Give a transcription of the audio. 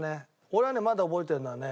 俺はねまだ覚えてるのはね